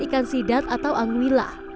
ikan sidat atau anguila